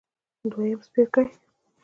دویم څپرکی